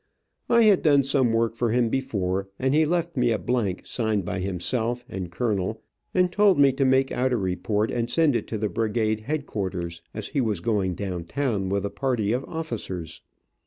I had done some work for him before, and he left a blank signed by himself and colonel, and told me to make out a report and send it to the brigade headquarters, as he was going down town with a party of officers.